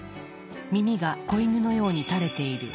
耳が子イヌのように垂れている。